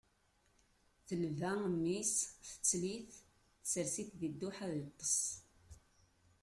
Telba mmi-s, tettel-it, tsers-it deg dduḥ ad yeṭṭes.